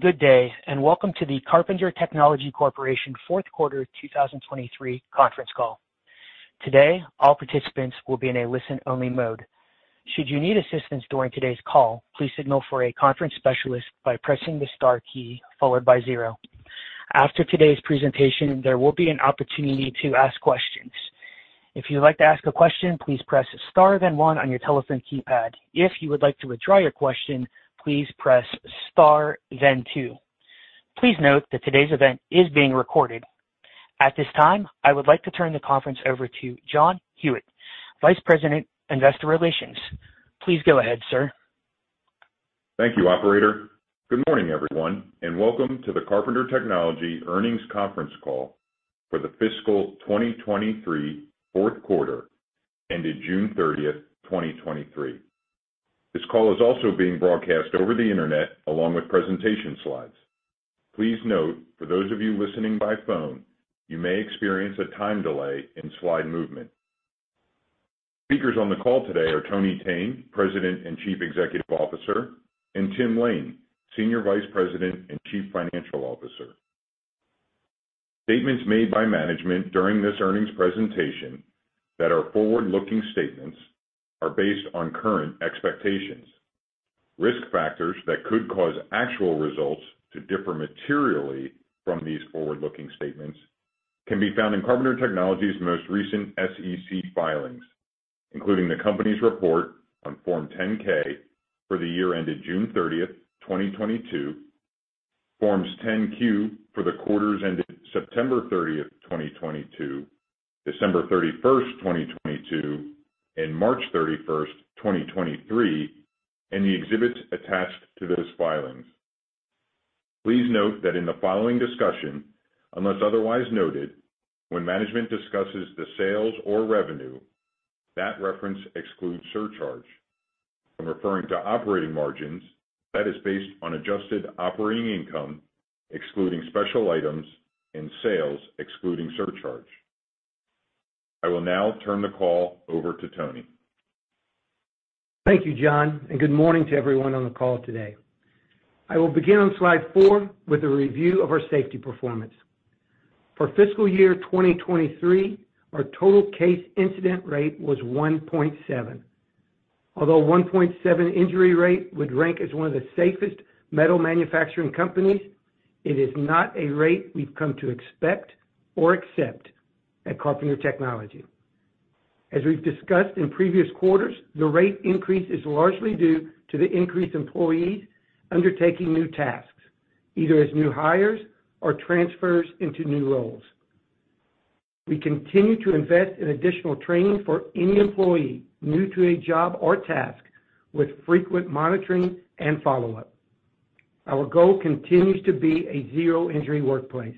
Good day, and welcome to the Carpenter Technology Corporation Fourth Quarter 2023 Conference Call. Today, all participants will be in a listen-only mode. Should you need assistance during today's call, please signal for a conference specialist by pressing the star key followed by zero. After today's presentation, there will be an opportunity to ask questions. If you'd like to ask a question, please press star, then one on your telephone keypad. If you would like to withdraw your question, please press star, then two. Please note that today's event is being recorded. At this time, I would like to turn the conference over to John Huyette, Vice President, Investor Relations. Please go ahead, sir. Thank you, operator. Good morning, everyone, and welcome to the Carpenter Technology Earnings Conference Call for the fiscal 2023 fourth quarter, ended June 30th, 2023. This call is also being broadcast over the internet along with presentation slides. Please note, for those of you listening by phone, you may experience a time delay in slide movement. Speakers on the call today are Tony Thene, President and Chief Executive Officer, and Tim Lain, Senior Vice President and Chief Financial Officer. Statements made by management during this earnings presentation that are forward-looking statements are based on current expectations. Risk factors that could cause actual results to differ materially from these forward-looking statements can be found in Carpenter Technology's most recent SEC filings, including the company's report on Form 10-K for the year ended June 30th, 2022, Forms 10-Q for the quarters ended September 30th, 2022, December 31st, 2022, and March 31st, 2023. The exhibits attached to those filings. Please note that in the following discussion, unless otherwise noted, when management discusses the sales or revenue, that reference excludes surcharge. When referring to operating margins, that is based on adjusted operating income, excluding special items and sales, excluding surcharge. I will now turn the call over to Tony. Thank you, John. Good morning to everyone on the call today. I will begin on slide four with a review of our safety performance. For fiscal year 2023, our total case incident rate was 1.7. Although a 1.7 injury rate would rank as one of the safest metal manufacturing companies, it is not a rate we've come to expect or accept at Carpenter Technology. As we've discussed in previous quarters, the rate increase is largely due to the increased employees undertaking new tasks, either as new hires or transfers into new roles. We continue to invest in additional training for any employee new to a job or task, with frequent monitoring and follow-up. Our goal continues to be a zero-injury workplace.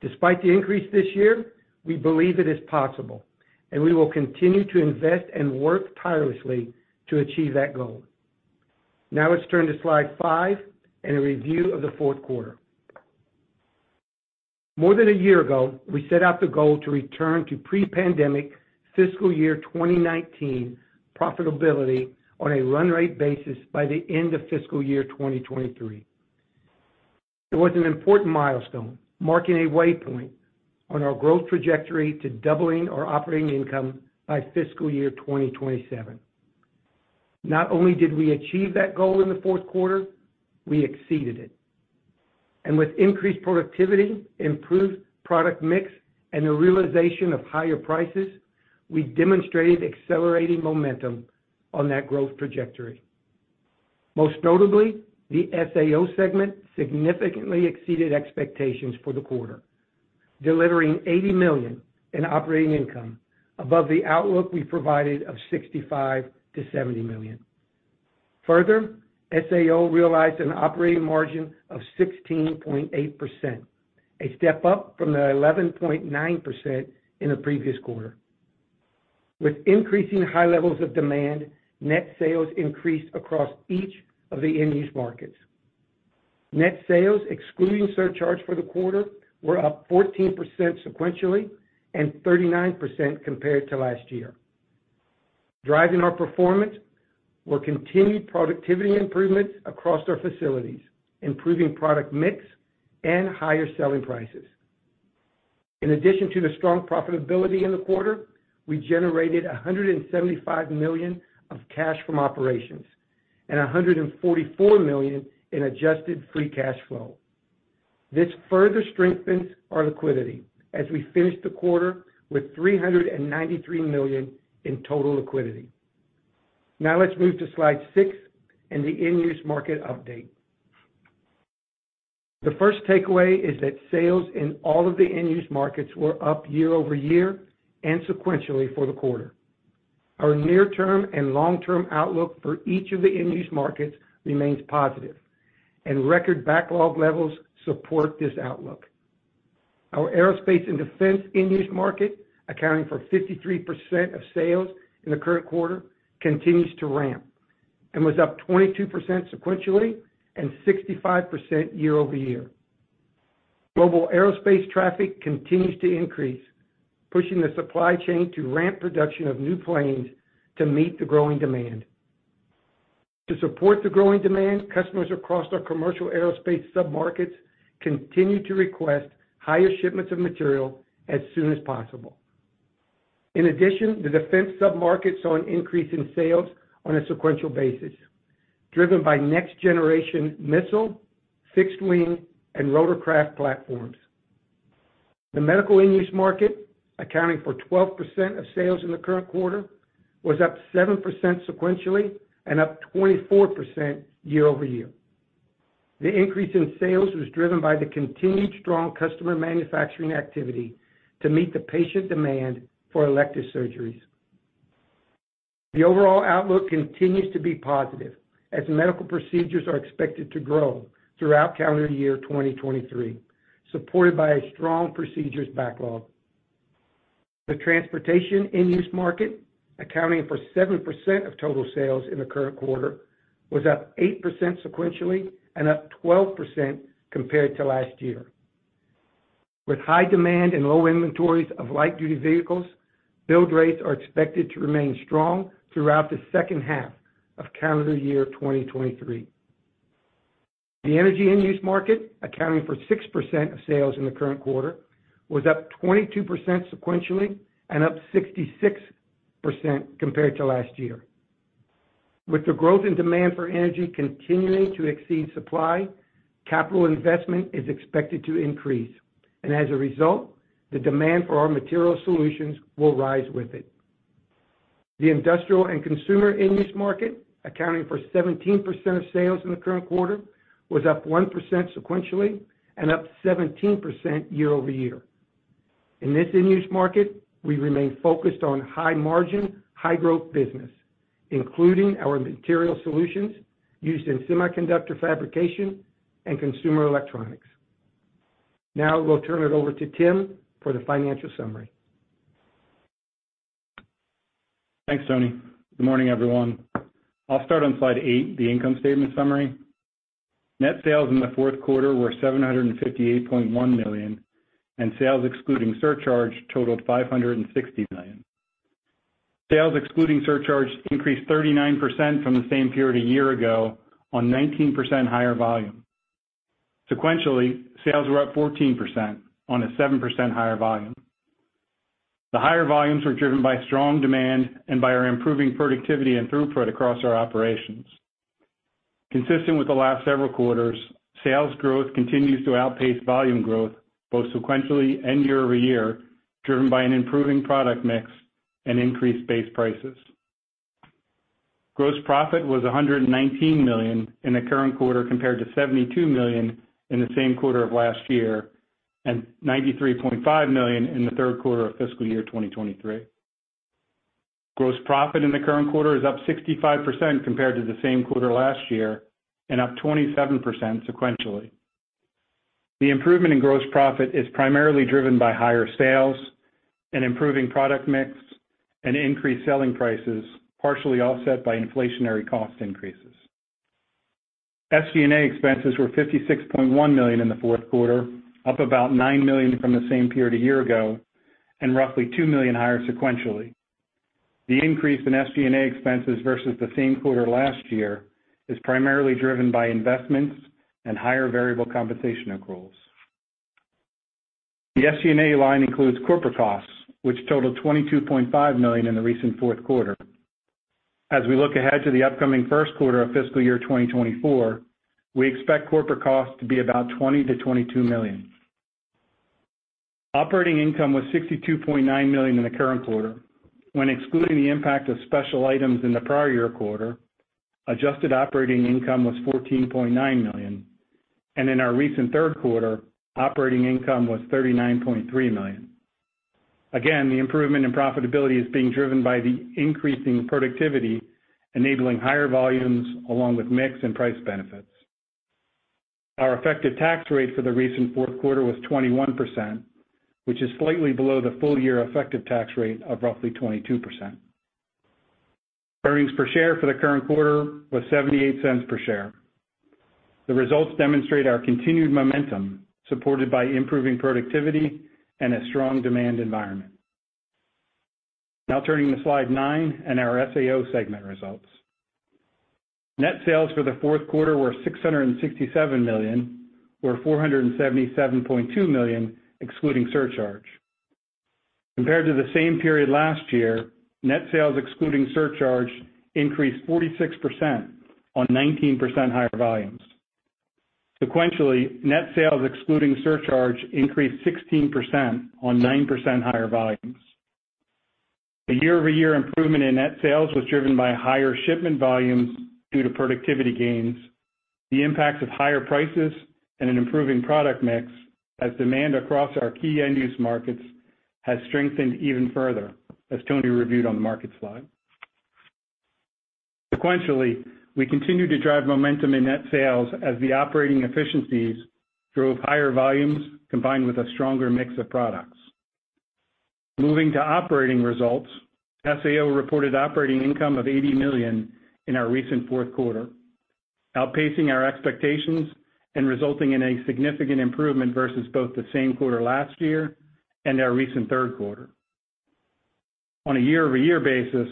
Despite the increase this year, we believe it is possible, and we will continue to invest and work tirelessly to achieve that goal. Let's turn to slide five and a review of the fourth quarter. More than a year ago, we set out the goal to return to pre-pandemic fiscal year 2019 profitability on a run rate basis by the end of fiscal year 2023. It was an important milestone, marking a waypoint on our growth trajectory to doubling our operating income by fiscal year 2027. Not only did we achieve that goal in the fourth quarter, we exceeded it. With increased productivity, improved product mix, and the realization of higher prices, we demonstrated accelerating momentum on that growth trajectory. Most notably, the SAO segment significantly exceeded expectations for the quarter, delivering $80 million in operating income above the outlook we provided of $65 million-$70 million. SAO realized an operating margin of 16.8%, a step up from the 11.9% in the previous quarter. With increasing high levels of demand, net sales increased across each of the end-use markets. Net sales, excluding surcharge for the quarter, were up 14% sequentially and 39% compared to last year. Driving our performance were continued productivity improvements across our facilities, improving product mix and higher selling prices. In addition to the strong profitability in the quarter, we generated $175 million of cash from operations and $144 million in adjusted free cash flow. This further strengthens our liquidity as we finish the quarter with $393 million in total liquidity. Now let's move to slide six and the end-use market update. The first takeaway is that sales in all of the end-use markets were up year-over-year and sequentially for the quarter. Our near-term and long-term outlook for each of the end-use markets remains positive, and record backlog levels support this outlook. Our aerospace and defense end-use market, accounting for 53% of sales in the current quarter, continues to ramp and was up 22% sequentially and 65% year-over-year. Global aerospace traffic continues to increase, pushing the supply chain to ramp production of new planes to meet the growing demand. To support the growing demand, customers across our commercial aerospace submarkets continue to request higher shipments of material as soon as possible. The defense submarket saw an increase in sales on a sequential basis, driven by next-generation missile, fixed-wing, and rotorcraft platforms. The medical end-use market, accounting for 12% of sales in the current quarter, was up 7% sequentially and up 24% year-over-year. The increase in sales was driven by the continued strong customer manufacturing activity to meet the patient demand for elective surgeries. The overall outlook continues to be positive, as medical procedures are expected to grow throughout calendar year 2023, supported by a strong procedures backlog. The transportation end-use market, accounting for 7% of total sales in the current quarter, was up 8% sequentially and up 12% compared to last year. With high demand and low inventories of light-duty vehicles, build rates are expected to remain strong throughout the second half of calendar year 2023. The energy end-use market, accounting for 6% of sales in the current quarter, was up 22% sequentially and up 66% compared to last year. With the growth in demand for energy continuing to exceed supply, capital investment is expected to increase. As a result, the demand for our material solutions will rise with it. The industrial and consumer end-use market, accounting for 17% of sales in the current quarter, was up 1% sequentially and up 17% year-over-year. In this end-use market, we remain focused on high-margin, high-growth business, including our material solutions used in semiconductor fabrication and consumer electronics. We'll turn it over to Tim for the financial summary. Thanks, Tony. Good morning, everyone. I'll start on slide eight, the income statement summary. Net sales in the fourth quarter were $758.1 million, and sales excluding surcharge totaled $560 million. Sales excluding surcharge increased 39% from the same period a year-ago on 19% higher volume. Sequentially, sales were up 14% on a 7% higher volume. The higher volumes were driven by strong demand and by our improving productivity and throughput across our operations. Consistent with the last several quarters, sales growth continues to outpace volume growth, both sequentially and year-over-year, driven by an improving product mix and increased base prices. Gross profit was $119 million in the current quarter, compared to $72 million in the same quarter of last year, $93.5 million in the third quarter of fiscal year 2023. Gross profit in the current quarter is up 65% compared to the same quarter last year and up 27% sequentially. The improvement in gross profit is primarily driven by higher sales and improving product mix and increased selling prices, partially offset by inflationary cost increases. SG&A expenses were $56.1 million in the fourth quarter, up about $9 million from the same period a year ago, roughly $2 million higher sequentially. The increase in SG&A expenses versus the same quarter last year is primarily driven by investments and higher variable compensation accruals. The SG&A line includes corporate costs, which totaled $22.5 million in the recent fourth quarter. As we look ahead to the upcoming first quarter of fiscal year 2024, we expect corporate costs to be about $20 million-$22 million. Operating income was $62.9 million in the current quarter. When excluding the impact of special items in the prior year quarter, adjusted operating income was $14.9 million, and in our recent third quarter, operating income was $39.3 million. Again, the improvement in profitability is being driven by the increasing productivity, enabling higher volumes along with mix and price benefits. Our effective tax rate for the recent fourth quarter was 21%, which is slightly below the full-year effective tax rate of roughly 22%. Earnings per share for the current quarter was $0.78 per share. The results demonstrate our continued momentum, supported by improving productivity and a strong demand environment. Turning to slide nine and our SAO segment results. Net sales for the fourth quarter were $667 million, or $477.2 million, excluding surcharge. Compared to the same period last year, net sales excluding surcharge increased 46% on 19% higher volumes. Sequentially, net sales excluding surcharge increased 16% on 9% higher volumes. The year-over-year improvement in net sales was driven by higher shipment volumes due to productivity gains, the impacts of higher prices, and an improving product mix, as demand across our key end-use markets has strengthened even further, as Tony reviewed on the market slide. Sequentially, we continued to drive momentum in net sales as the operating efficiencies drove higher volumes, combined with a stronger mix of products. Moving to operating results, SAO reported operating income of $80 million in our recent fourth quarter, outpacing our expectations and resulting in a significant improvement versus both the same quarter last year and our recent third quarter. On a year-over-year basis,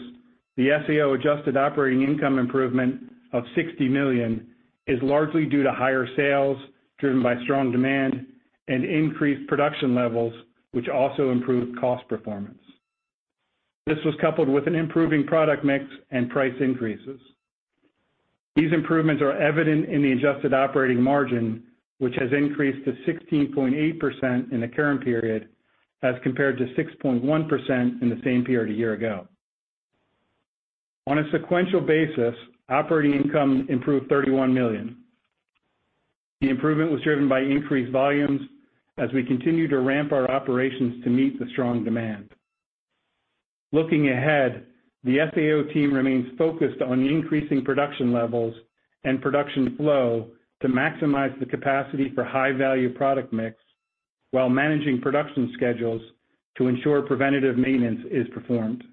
the SAO adjusted operating income improvement of $60 million is largely due to higher sales, driven by strong demand and increased production levels, which also improved cost performance. This was coupled with an improving product mix and price increases. These improvements are evident in the adjusted operating margin, which has increased to 16.8% in the current period, as compared to 6.1% in the same period a year ago. On a sequential basis, operating income improved $31 million. The improvement was driven by increased volumes as we continue to ramp our operations to meet the strong demand. Looking ahead, the SAO team remains focused on increasing production levels and production flow to maximize the capacity for high-value product mix, while managing production schedules to ensure preventative maintenance is performed.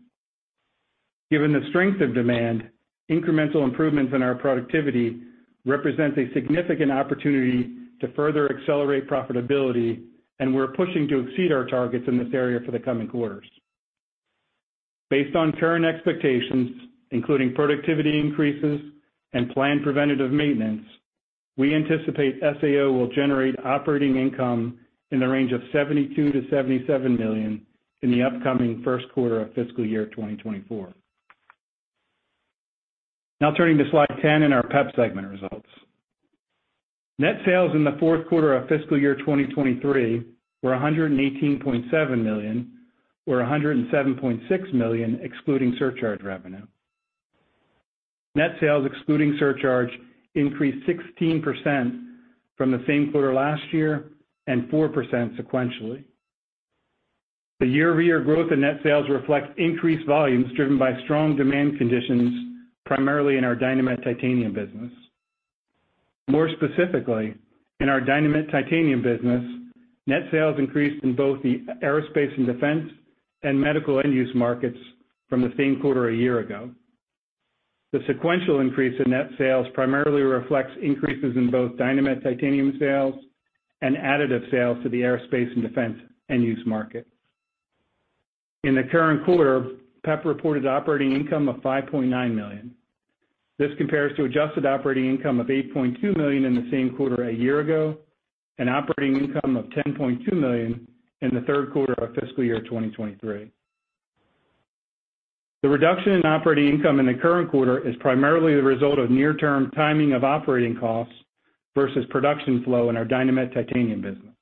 Given the strength of demand, incremental improvements in our productivity represents a significant opportunity to further accelerate profitability, and we're pushing to exceed our targets in this area for the coming quarters. Based on current expectations, including productivity increases and planned preventative maintenance, we anticipate SAO will generate operating income in the range of $72 million-$77 million in the upcoming first quarter of fiscal year 2024. Now turning to slide 10 in our PEP segment results. Net sales in the fourth quarter of fiscal year 2023 were $118.7 million, or $107.6 million, excluding surcharge revenue. Net sales, excluding surcharge, increased 16% from the same quarter last year, and 4% sequentially. The year-over-year growth in net sales reflects increased volumes driven by strong demand conditions, primarily in our Dynamet Titanium business. More specifically, in our Dynamet Titanium business, net sales increased in both the aerospace and defense and medical end-use markets from the same quarter a year ago. The sequential increase in net sales primarily reflects increases in both Dynamet Titanium sales and additive sales to the aerospace and defense end-use market. In the current quarter, PEP reported operating income of $5.9 million. This compares to adjusted operating income of $8.2 million in the same quarter a year ago, and operating income of $10.2 million in the third quarter of fiscal year 2023. The reduction in operating income in the current quarter is primarily the result of near-term timing of operating costs versus production flow in our Dynamet Titanium business.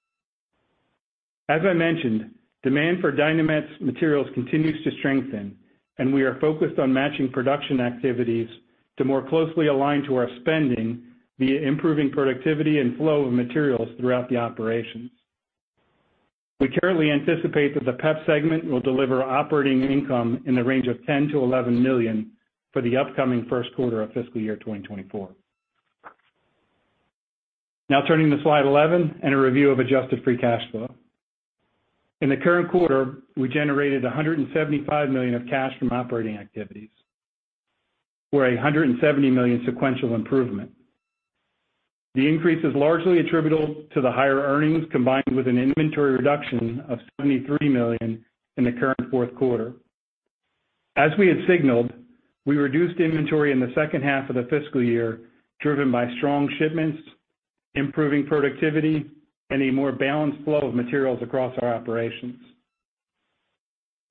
As I mentioned, demand for Dynamet's materials continues to strengthen, and we are focused on matching production activities to more closely align to our spending via improving productivity and flow of materials throughout the operations. We currently anticipate that the PEP segment will deliver operating income in the range of $10 million-$11 million for the upcoming first quarter of fiscal year 2024. Turning to slide 11, and a review of adjusted free cash flow. In the current quarter, we generated $175 million of cash from operating activities, for a $170 million sequential improvement. The increase is largely attributable to the higher earnings, combined with an inventory reduction of $73 million in the current fourth quarter. As we had signaled, we reduced inventory in the second half of the fiscal year, driven by strong shipments, improving productivity, and a more balanced flow of materials across our operations.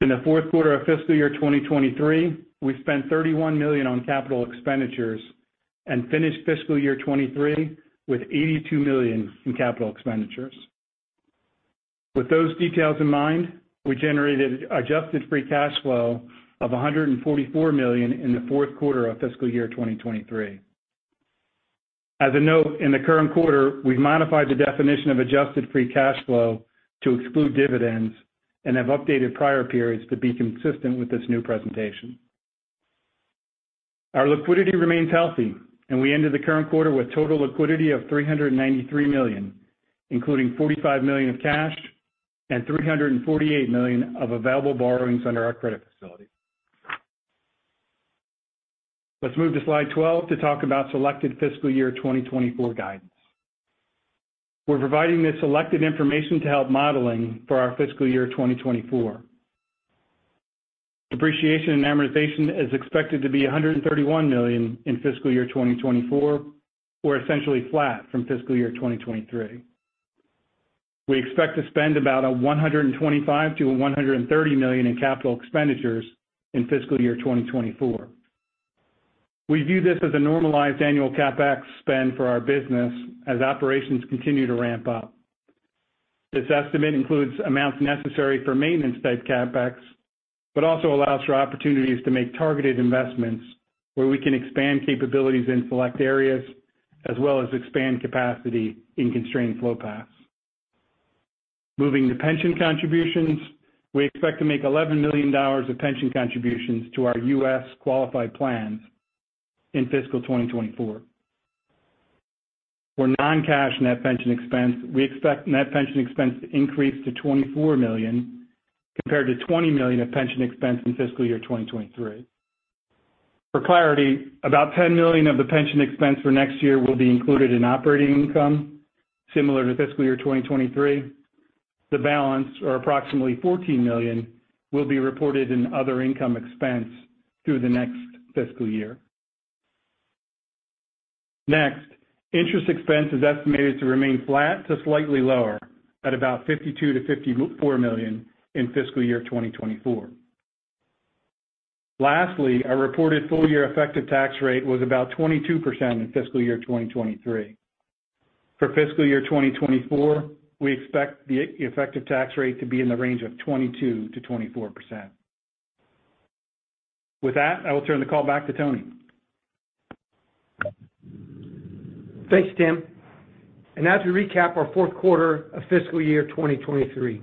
In the fourth quarter of fiscal year 2023, we spent $31 million on capital expenditures and finished fiscal year 2023 with $82 million in capital expenditures. With those details in mind, we generated adjusted free cash flow of $144 million in the fourth quarter of fiscal year 2023. As a note, in the current quarter, we've modified the definition of adjusted free cash flow to exclude dividends and have updated prior periods to be consistent with this new presentation. Our liquidity remains healthy. We ended the current quarter with total liquidity of $393 million, including $45 million of cash and $348 million of available borrowings under our credit facility. Let's move to slide 12 to talk about selected fiscal year 2024 guidance. We're providing this selected information to help modeling for our fiscal year 2024. Depreciation and amortization is expected to be $131 million in fiscal year 2024, or essentially flat from fiscal year 2023. We expect to spend about $125 million to $130 million in capital expenditures in fiscal year 2024. We view this as a normalized annual CapEx spend for our business as operations continue to ramp up. This estimate includes amounts necessary for maintenance-type CapEx, but also allows for opportunities to make targeted investments where we can expand capabilities in select areas, as well as expand capacity in constrained flow paths. Moving to pension contributions, we expect to make $11 million of pension contributions to our U.S. qualified plans in fiscal 2024. For non-cash net pension expense, we expect net pension expense to increase to $24 million, compared to $20 million of pension expense in fiscal year 2023. For clarity, about $10 million of the pension expense for next year will be included in operating income, similar to fiscal year 2023. The balance, or approximately $14 million, will be reported in other income expense through the next fiscal year. Next, interest expense is estimated to remain flat to slightly lower at about $52 million to $54 million in fiscal year 2024. Lastly, our reported full-year effective tax rate was about 22% in fiscal year 2023. For fiscal year 2024, we expect the effective tax rate to be in the range of 22%-24%. With that, I will turn the call back to Tony. Thanks, Tim. Now to recap our fourth quarter of fiscal year 2023.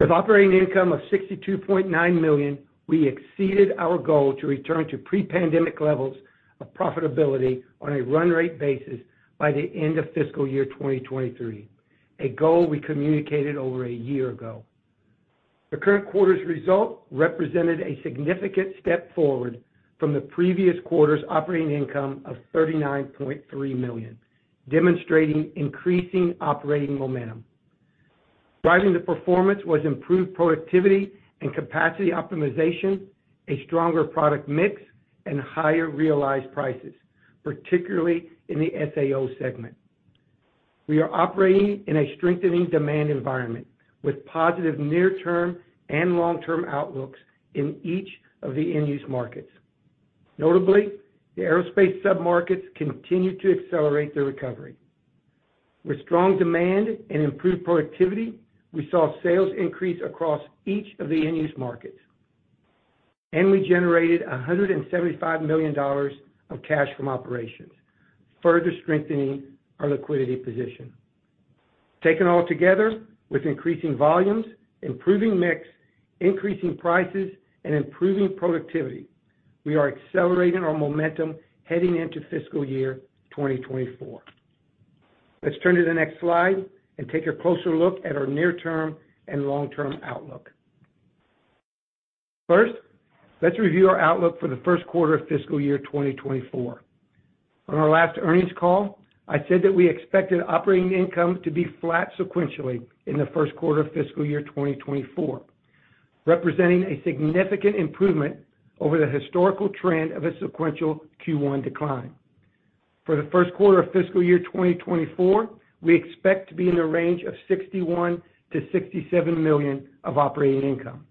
With operating income of $62.9 million, we exceeded our goal to return to pre-pandemic levels of profitability on a run rate basis by the end of fiscal year 2023, a goal we communicated over a year ago. The current quarter's result represented a significant step forward from the previous quarter's operating income of $39.3 million, demonstrating increasing operating momentum. Driving the performance was improved productivity and capacity optimization, a stronger product mix, and higher realized prices, particularly in the SAO segment. We are operating in a strengthening demand environment, with positive near-term and long-term outlooks in each of the end-use markets. Notably, the aerospace submarkets continue to accelerate their recovery. With strong demand and improved productivity, we saw sales increase across each of the end-use markets, we generated $175 million of cash from operations, further strengthening our liquidity position. Taken all together, with increasing volumes, improving mix, increasing prices, and improving productivity, we are accelerating our momentum heading into fiscal year 2024. Let's turn to the next slide and take a closer look at our near-term and long-term outlook. First, let's review our outlook for the first quarter of fiscal year 2024. On our last earnings call, I said that we expected operating income to be flat sequentially in the first quarter of fiscal year 2024, representing a significant improvement over the historical trend of a sequential Q1 decline. For the first quarter of fiscal year 2024, we expect to be in the range of $61 million-$67 million of operating income.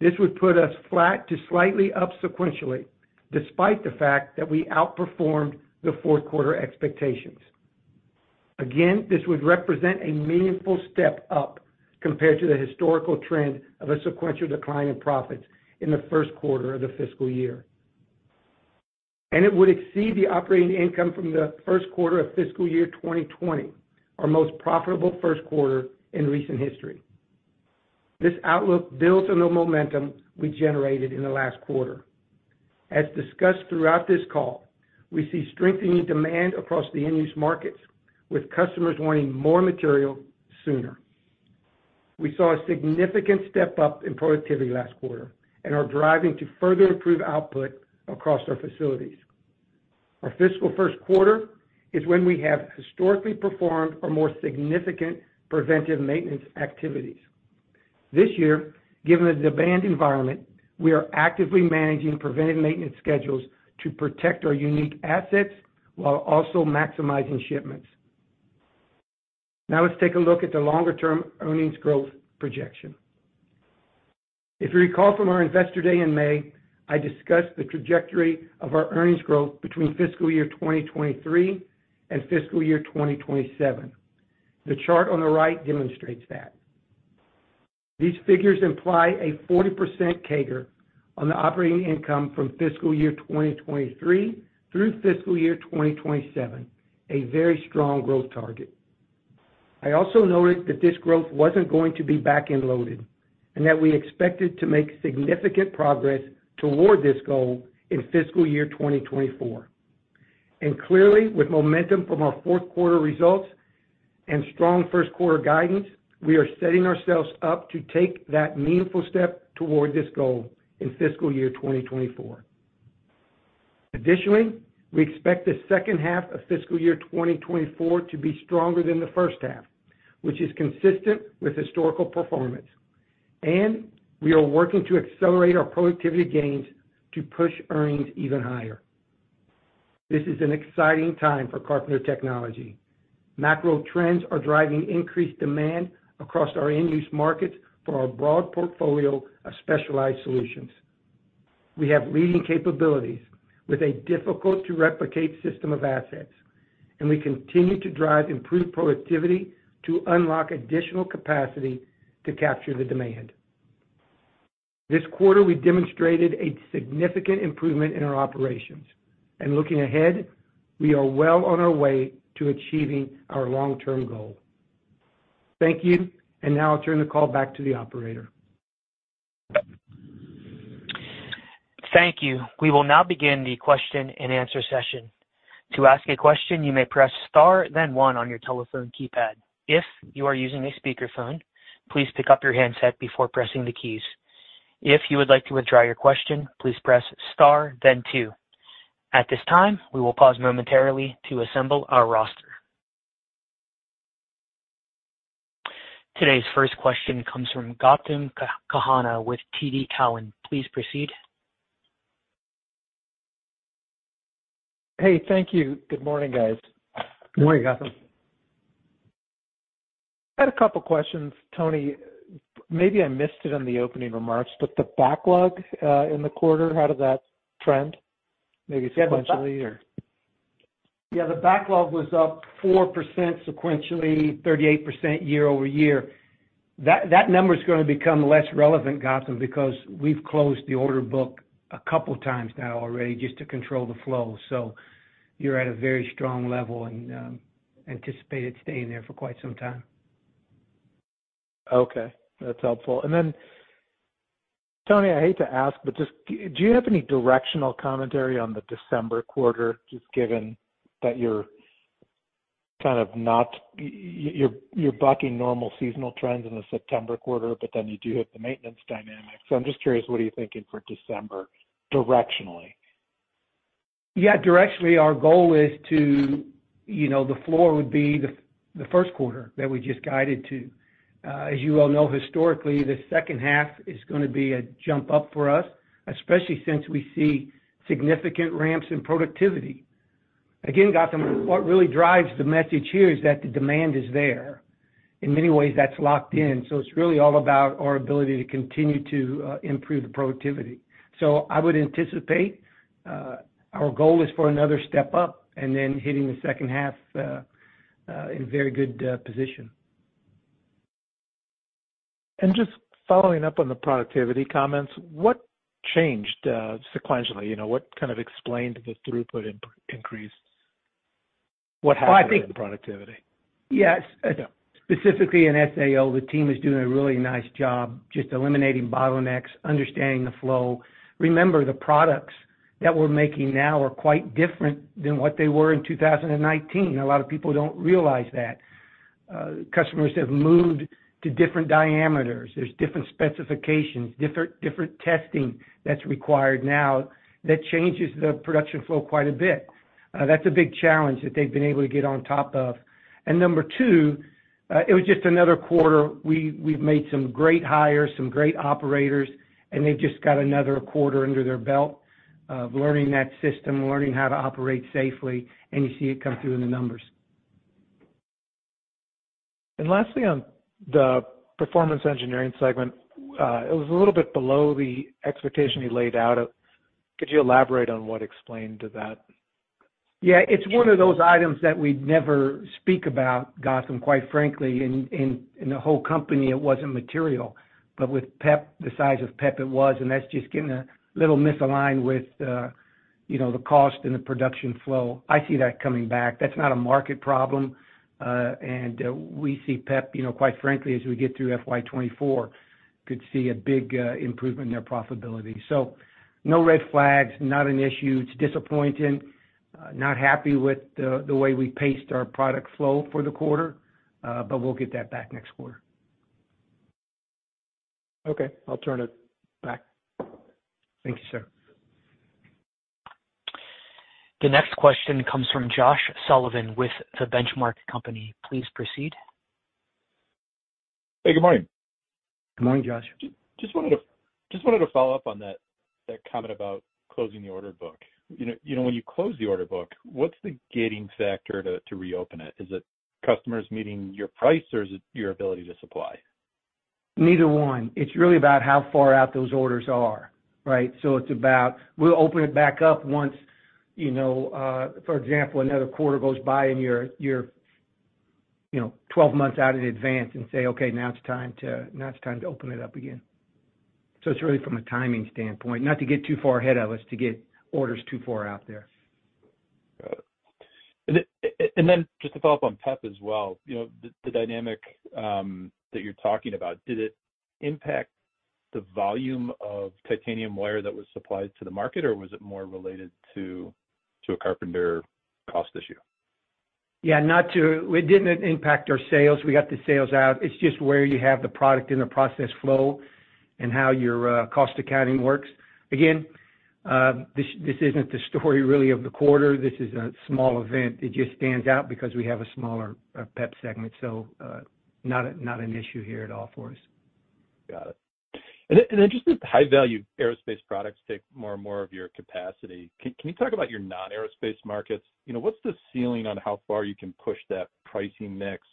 This would put us flat to slightly up sequentially, despite the fact that we outperformed the fourth quarter expectations. This would represent a meaningful step up compared to the historical trend of a sequential decline in profits in the first quarter of the fiscal year. It would exceed the operating income from the first quarter of fiscal year 2020, our most profitable first quarter in recent history. This outlook builds on the momentum we generated in the last quarter. As discussed throughout this call, we see strengthening demand across the end-use markets, with customers wanting more material sooner. We saw a significant step-up in productivity last quarter and are driving to further improve output across our facilities. Our fiscal first quarter is when we have historically performed our more significant preventive maintenance activities. This year, given the demand environment, we are actively managing preventive maintenance schedules to protect our unique assets while also maximizing shipments. Let's take a look at the longer-term earnings growth projection. If you recall from our Investor Day in May, I discussed the trajectory of our earnings growth between fiscal year 2023 and fiscal year 2027. The chart on the right demonstrates that. These figures imply a 40% CAGR on the operating income from fiscal year 2023 through fiscal year 2027, a very strong growth target. I also noted that this growth wasn't going to be back-end loaded, and that we expected to make significant progress toward this goal in fiscal year 2024. Clearly, with momentum from our fourth quarter results and strong first quarter guidance, we are setting ourselves up to take that meaningful step toward this goal in fiscal year 2024. Additionally, we expect the second half of fiscal year 2024 to be stronger than the first half, which is consistent with historical performance, and we are working to accelerate our productivity gains to push earnings even higher. This is an exciting time for Carpenter Technology. Macro trends are driving increased demand across our end-use markets for our broad portfolio of specialized solutions. We have leading capabilities with a difficult-to-replicate system of assets, and we continue to drive improved productivity to unlock additional capacity to capture the demand. This quarter, we demonstrated a significant improvement in our operations, and looking ahead, we are well on our way to achieving our long-term goal. Thank you. Now I'll turn the call back to the operator. Thank you. We will now begin the question-and-answer session. To ask a question, you may press star one on your telephone keypad. If you are using a speakerphone, please pick up your handset before pressing the keys. If you would like to withdraw your question, please press star two. At this time, we will pause momentarily to assemble our roster. Today's first question comes from Gautam Khanna with TD Cowen. Please proceed. Hey, thank you. Good morning, guys. Good morning, Gautam. I had a couple questions, Tony. Maybe I missed it in the opening remarks, the backlog in the quarter, how did that trend? Maybe sequentially or? Yeah, the backlog was up 4% sequentially, 38% year-over-year. That number is going to become less relevant, Gautam, because we've closed the order book a couple times now already, just to control the flow. You're at a very strong level and anticipated staying there for quite some time. Okay, that's helpful. Tony, I hate to ask, but just, do you have any directional commentary on the December quarter, just given that you're bucking normal seasonal trends in the September quarter, but then you do have the maintenance dynamic. I'm just curious, what are you thinking for December, directionally? Directionally, our goal is to, you know, the floor would be the first quarter that we just guided to. As you all know, historically, the second half is going to be a jump up for us, especially since we see significant ramps in productivity. Again, Gautam, what really drives the message here is that the demand is there. In many ways, that's locked in, so it's really all about our ability to continue to improve the productivity. I would anticipate, our goal is for another step up and then hitting the second half in very good position. Just following up on the productivity comments, what changed sequentially? You know, what kind of explained the throughput increase? What happened with the productivity? Yes. Specifically in SAO, the team is doing a really nice job just eliminating bottlenecks, understanding the flow. Remember, the products that we're making now are quite different than what they were in 2019. A lot of people don't realize that. Customers have moved to different diameters. There's different specifications, different testing that's required now. That changes the production flow quite a bit. That's a big challenge that they've been able to get on top of. Number two, it was just another quarter. We've made some great hires, some great operators, and they've just got another quarter under their belt of learning that system, learning how to operate safely, and you see it come through in the numbers. Lastly, on the Performance Engineering segment, it was a little bit below the expectation you laid out. Could you elaborate on what explained to that? It's one of those items that we'd never speak about, Gautam, quite frankly, in the whole company, it wasn't material. With PEP, the size of PEP, it was, and that's just getting a little misaligned with, you know, the cost and the production flow. I see that coming back. That's not a market problem. We see PEP, you know, quite frankly, as we get through FY 2024, could see a big improvement in their profitability. No red flags, not an issue. It's disappointing. Not happy with the way we paced our product flow for the quarter, we'll get that back next quarter. Okay, I'll turn it back. Thank you, sir. The next question comes from Josh Sullivan with The Benchmark Company. Please proceed. Hey, good morning. Good morning, Josh. Just wanted to follow up on that comment about closing the order book. You know, when you close the order book, what's the gating factor to reopen it? Is it customers meeting your price or is it your ability to supply? Neither one. It's really about how far out those orders are, right? It's about, we'll open it back up once, you know, for example, another quarter goes by and you're, you know, 12 months out in advance and say, okay, now it's time to open it up again. It's really from a timing standpoint, not to get too far ahead of us, to get orders too far out there. Got it. Just to follow up on PEP as well, you know, the dynamic that you're talking about, did it impact the volume of titanium wire that was supplied to the market, or was it more related to a Carpenter cost issue? Yeah, it didn't impact our sales. We got the sales out. It's just where you have the product in the process flow and how your cost accounting works. Again, this isn't the story really of the quarter. This is a small event. It just stands out because we have a smaller PEP segment, not a, not an issue here at all for us. Got it. Just the high-value aerospace products take more and more of your capacity. Can you talk about your non-aerospace markets? You know, what's the ceiling on how far you can push that pricing mix?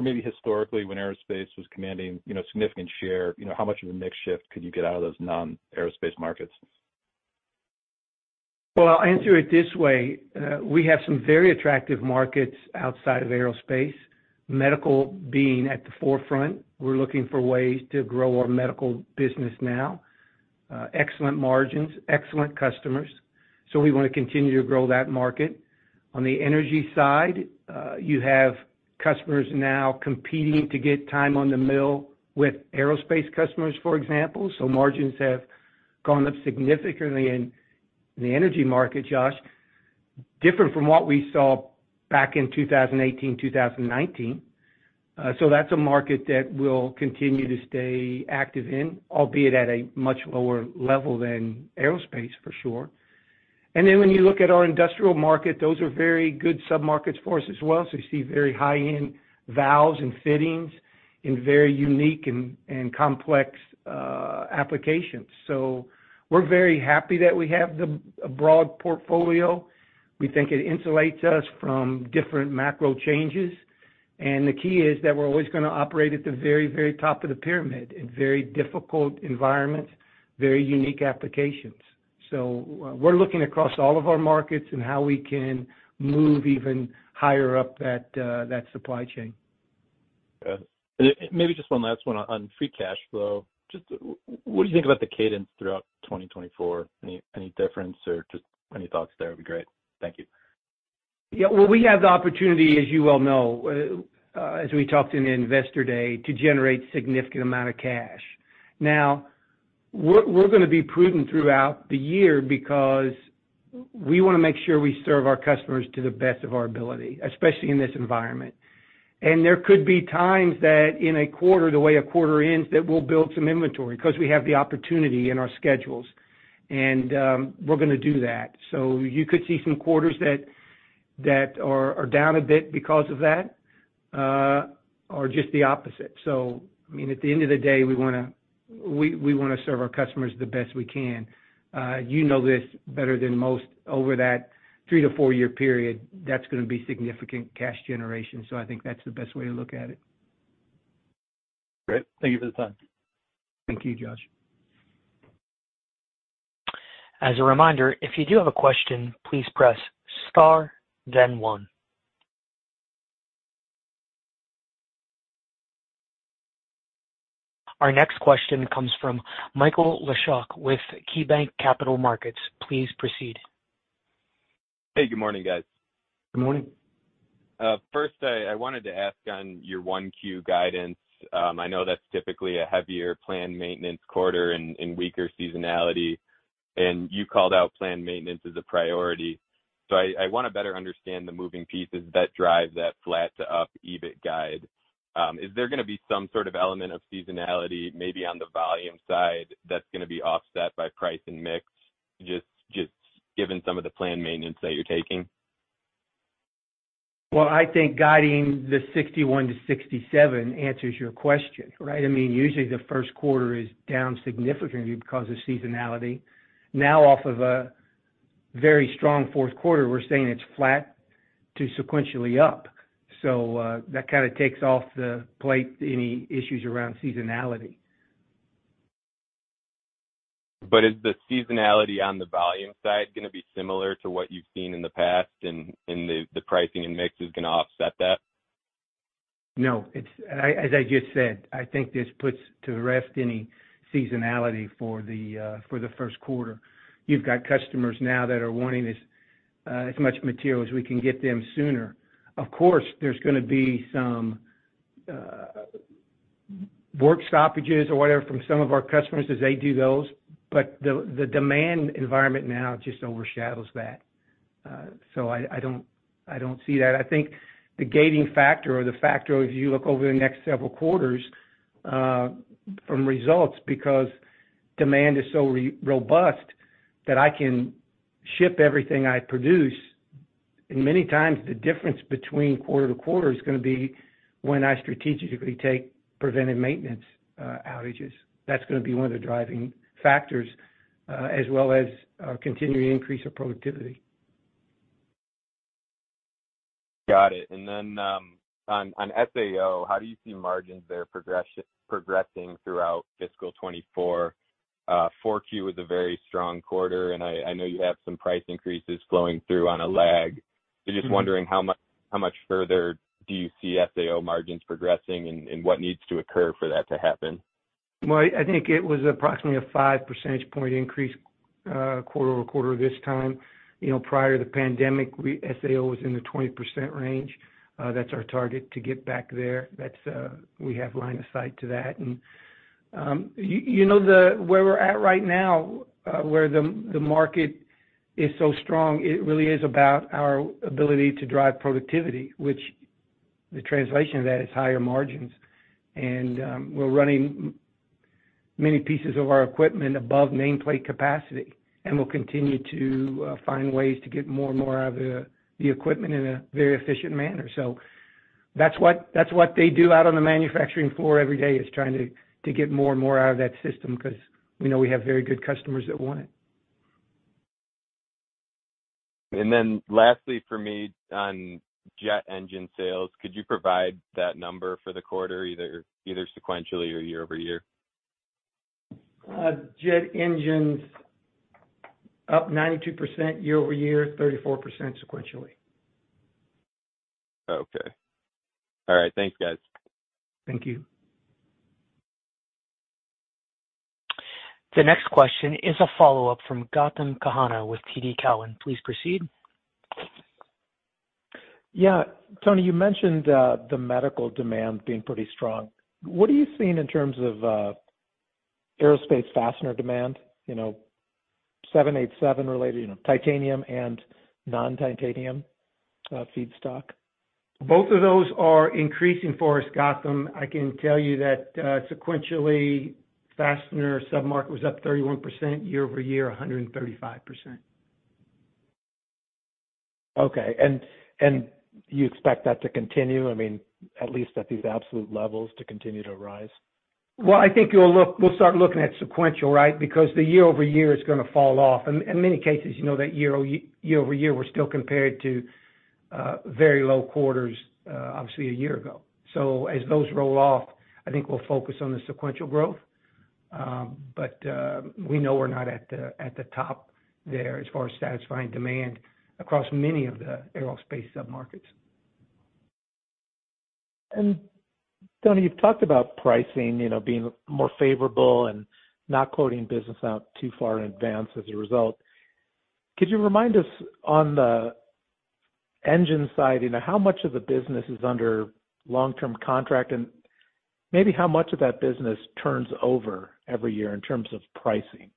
Maybe historically, when aerospace was commanding, you know, significant share, you know, how much of a mix shift could you get out of those non-aerospace markets? Well, I'll answer it this way, we have some very attractive markets outside of aerospace. Medical being at the forefront. We're looking for ways to grow our medical business now. Excellent margins, excellent customers. We want to continue to grow that market. On the energy side, you have customers now competing to get time on the mill with aerospace customers, for example. Margins have gone up significantly in the energy market, Josh, different from what we saw back in 2018, 2019. That's a market that we'll continue to stay active in, albeit at a much lower level than aerospace, for sure. When you look at our industrial market, those are very good submarkets for us as well. You see very high-end valves and fittings in very unique and complex applications. We're very happy that we have the, a broad portfolio. We think it insulates us from different macro changes. The key is that we're always gonna operate at the very, very top of the pyramid, in very difficult environments, very unique applications. We're looking across all of our markets and how we can move even higher up that supply chain. Got it. Maybe just one last one on, on free cash flow. Just what do you think about the cadence throughout 2024? Any difference or just any thoughts there would be great. Thank you. Well, we have the opportunity, as you well know, as we talked in the Investor Day, to generate significant amount of cash. We're gonna be prudent throughout the year because we want to make sure we serve our customers to the best of our ability, especially in this environment. There could be times that in a quarter, the way a quarter ends, that we'll build some inventory because we have the opportunity in our schedules, and we're gonna do that. You could see some quarters that are down a bit because of that, or just the opposite. I mean, at the end of the day, we wanna serve our customers the best we can. You know this better than most. Over that three to four-year period, that's gonna be significant cash generation. I think that's the best way to look at it. Great. Thank you for the time. Thank you, Josh. As a reminder, if you do have a question, please press star, then one. Our next question comes from Michael Leshock with KeyBanc Capital Markets. Please proceed. Hey, good morning, guys. Good morning. First, I wanted to ask on your 1Q guidance. I know that's typically a heavier planned maintenance quarter and weaker seasonality, and you called out planned maintenance as a priority. I want to better understand the moving pieces that drive that flat to up EBIT guide. Is there gonna be some sort of element of seasonality, maybe on the volume side, that's gonna be offset by price and mix, just given some of the planned maintenance that you're taking? Well, I think guiding the 61-67 answers your question, right? I mean, usually, the first quarter is down significantly because of seasonality. Now, off of a very strong fourth quarter, we're saying it's flat to sequentially up. That kind of takes off the plate any issues around seasonality. Is the seasonality on the volume side gonna be similar to what you've seen in the past, and the pricing and mix is gonna offset that? No. It's as I just said, I think this puts to rest any seasonality for the first quarter. You've got customers now that are wanting as much material as we can get them sooner. Of course, there's gonna be some work stoppages or whatever from some of our customers as they do those, but the demand environment now just overshadows that. I don't see that. I think the gating factor or the factor, if you look over the next several quarters, from results, because demand is so robust that I can ship everything I produce, and many times the difference between quarter to quarter is gonna be when I strategically take preventive maintenance outages. That's gonna be one of the driving factors, as well as continuing increase of productivity. Got it. On SAO, how do you see margins there progressing throughout fiscal 2024? 4Q was a very strong quarter, and I know you have some price increases flowing through on a lag. Just wondering how much further do you see SAO margins progressing and what needs to occur for that to happen? Well, I think it was approximately a 5 percentage point increase, quarter-over-quarter this time. You know, prior to the pandemic, SAO was in the 20% range. That's our target to get back there. That's, we have line of sight to that. You know, where we're at right now, where the market is so strong, it really is about our ability to drive productivity, which the translation of that is higher margins. We're running many pieces of our equipment above nameplate capacity, and we'll continue to find ways to get more and more out of the equipment in a very efficient manner. That's what they do out on the manufacturing floor every day, is trying to get more and more out of that system because we know we have very good customers that want it. Then lastly for me, on jet engine sales, could you provide that number for the quarter, either sequentially or year-over-year? Jet engines, up 92% year-over-year, 34% sequentially. Okay. All right. Thanks, guys. Thank you. The next question is a follow-up from Gautam Khanna with TD Cowen. Please proceed. Yeah. Tony, you mentioned the medical demand being pretty strong. What are you seeing in terms of aerospace fastener demand, you know, 787 related, you know, titanium and non-titanium feedstock? Both of those are increasing for us, Gautam. I can tell you that, sequentially, fastener submarket was up 31%, year-over-year, 135%. Okay. You expect that to continue, I mean, at least at these absolute levels, to continue to rise? Well, I think we'll start looking at sequential, right? The year-over-year is gonna fall off. In many cases, you know, that year-over-year, we're still compared to very low quarters, obviously, a year ago. As those roll off, I think we'll focus on the sequential growth. We know we're not at the top there as far as satisfying demand across many of the aerospace submarkets. Tony, you've talked about pricing, you know, being more favorable and not quoting business out too far in advance as a result. Could you remind us on the engine side, you know, how much of the business is under long-term contract, and maybe how much of that business turns over every year in terms of pricing?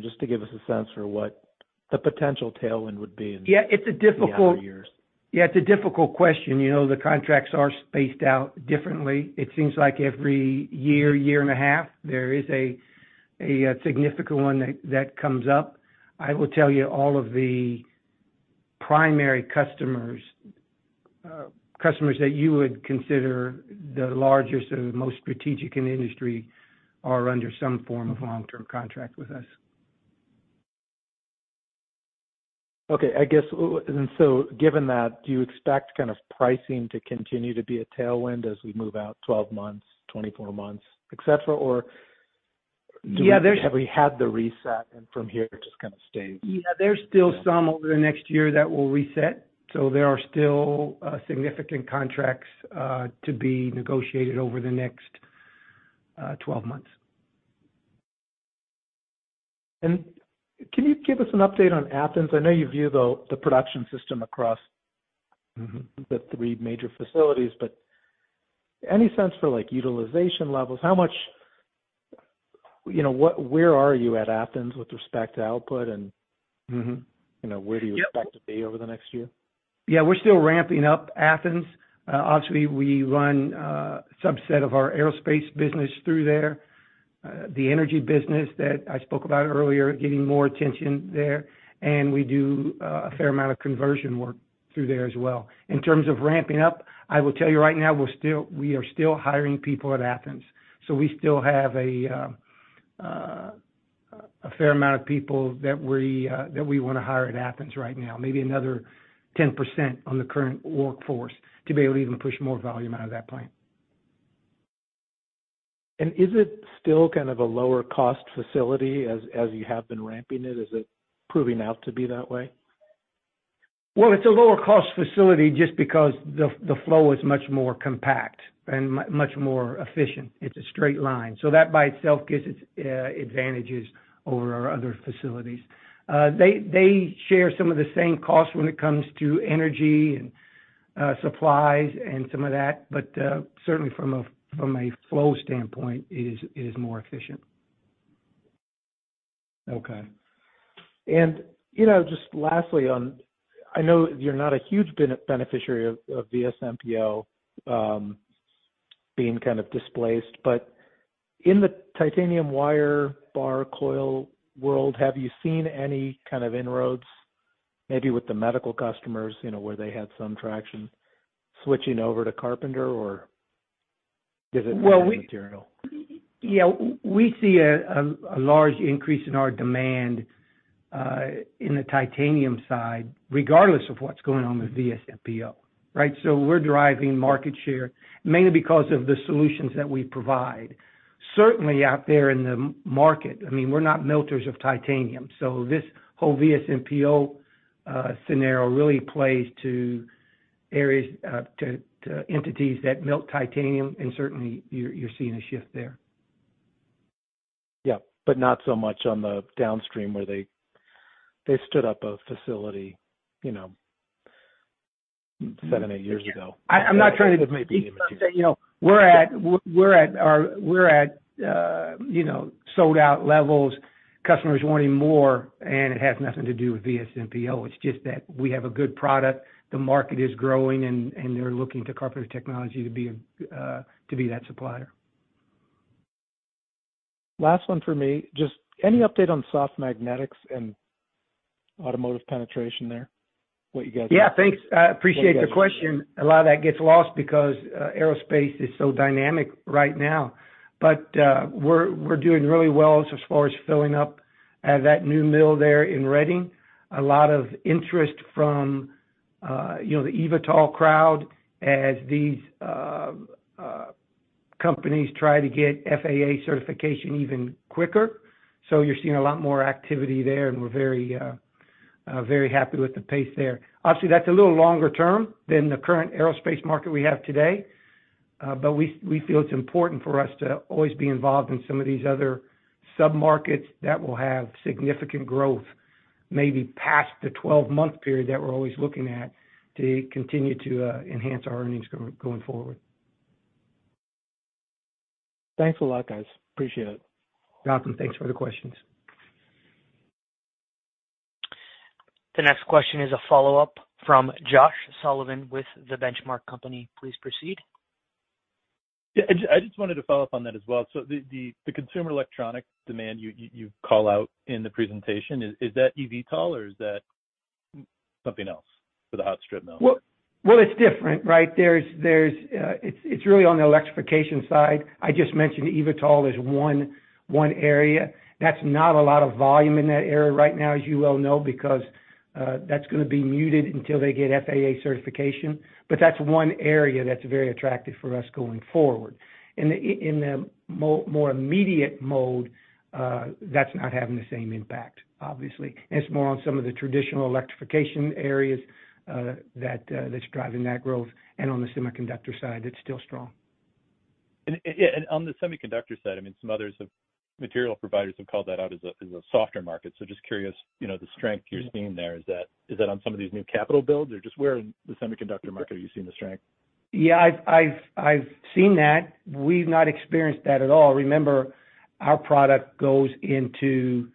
Just to give us a sense for what the potential tailwind would be in. Yeah, it's a. The years. Yeah, it's a difficult question. You know, the contracts are spaced out differently. It seems like every year, year and a half, there is a significant one that comes up. I will tell you, all of the primary customers, customers that you would consider the largest or the most strategic in the industry, are under some form of long-term contract with us. Given that, do you expect kind of pricing to continue to be a tailwind as we move out 12 months, 24 months, et cetera? Yeah. Have we had the reset and from here, it just kind of stays? Yeah, there's still some over the next year that will reset. There are still significant contracts to be negotiated over the next 12 months. Can you give us an update on Athens? I know you view the production system across. Mm-hmm. The three major facilities, but any sense for, like, utilization levels? How much, you know, where are you at Athens with respect to output and. Mm-hmm. You know, where do you expect. Yep. To be over the next year? Yeah, we're still ramping up Athens. Obviously, we run, subset of our aerospace business through there. The energy business that I spoke about earlier, getting more attention there, and we do, a fair amount of conversion work through there as well. In terms of ramping up, I will tell you right now, we are still hiring people at Athens, so we still have a fair amount of people that we wanna hire at Athens right now. Maybe another 10% on the current workforce to be able to even push more volume out of that plant. Is it still kind of a lower cost facility as, as you have been ramping it? Is it proving out to be that way? Well, it's a lower cost facility just because the flow is much more compact and much more efficient. It's a straight line. That, by itself, gives it advantages over our other facilities. They share some of the same costs when it comes to energy and supplies and some of that, but certainly from a flow standpoint, it is more efficient. Okay. You know, just lastly on, I know you're not a huge beneficiary of VSMPO, being kind of displaced, but in the titanium wire bar coil world, have you seen any kind of inroads, maybe with the medical customers, you know, where they had some traction switching over to Carpenter or? Well. We see a large increase in our demand in the titanium side, regardless of what's going on with VSMPO, right? We're driving market share mainly because of the solutions that we provide. Certainly, out there in the market, I mean, we're not melters of titanium, so this whole VSMPO scenario really plays to areas, to entities that melt titanium, and certainly you're seeing a shift there. Yeah, not so much on the downstream where they, they stood up a facility, you know, seven, eight years ago. I'm not trying to. You know, we're at our, we're at, you know, sold-out levels, customers wanting more, and it has nothing to do with VSMPO. It's just that we have a good product, the market is growing, and they're looking to Carpenter Technology to be, to be that supplier. Last one for me. Just any update on soft magnetics and automotive penetration there, what you guys. Thanks. I appreciate the question. A lot of that gets lost because aerospace is so dynamic right now. We're doing really well as far as filling up that new mill there in Reading. A lot of interest from, you know, the eVTOL crowd as these companies try to get FAA certification even quicker. You're seeing a lot more activity there, and we're very happy with the pace there. Obviously, that's a little longer term than the current aerospace market we have today. We feel it's important for us to always be involved in some of these other submarkets that will have significant growth, maybe past the 12-month period that we're always looking at, to continue to enhance our earnings going forward. Thanks a lot, guys. Appreciate it. Gautam, thanks for the questions. The next question is a follow-up from Josh Sullivan with The Benchmark Company. Please proceed. Yeah, I just wanted to follow up on that as well. The consumer electronic demand you call out in the presentation, is that eVTOL, or is that something else for the hot strip mill? Well, it's different, right? There's It's really on the electrification side. I just mentioned eVTOL as one area. That's not a lot of volume in that area right now, as you well know, because that's gonna be muted until they get FAA certification. That's one area that's very attractive for us going forward. In the more immediate mode, that's not having the same impact, obviously. It's more on some of the traditional electrification areas that's driving that growth, and on the semiconductor side, it's still strong. On the semiconductor side, I mean, some others have called that out as a, as a softer market. Just curious, you know, the strength you're seeing there, is that on some of these new capital builds? Or just where in the semiconductor market are you seeing the strength? Yeah, I've seen that. We've not experienced that at all. Remember, our product goes into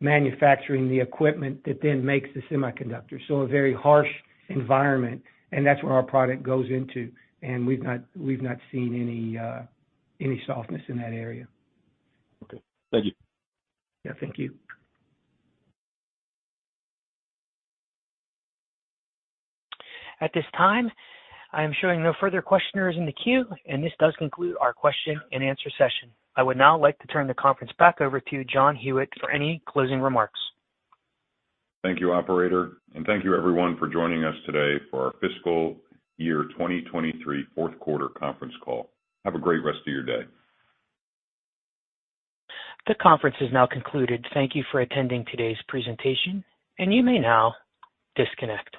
manufacturing the equipment that then makes the semiconductor, so a very harsh environment, and that's where our product goes into, and we've not seen any softness in that area. Okay. Thank you. Yeah, thank you. At this time, I am showing no further questioners in the queue. This does conclude our question-and-answer session. I would now like to turn the conference back over to John Huyette for any closing remarks. Thank you, operator, and thank you everyone for joining us today for our fiscal year 2023 fourth quarter conference call. Have a great rest of your day. The conference is now concluded. Thank you for attending today's presentation, and you may now disconnect.